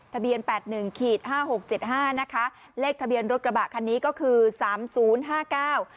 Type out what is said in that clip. ทะเบียนแปดหนึ่งขีดห้าหกเจ็ดห้านะคะเลขทะเบียนรถกระบะคันนี้ก็คือสามศูนย์ห้าเก้า